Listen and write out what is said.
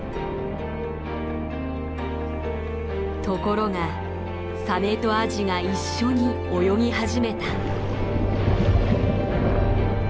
ところがサメとアジが一緒に泳ぎ始めた。